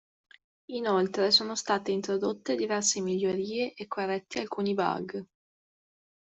Inoltre sono state introdotte diverse migliorie e corretti alcuni bug.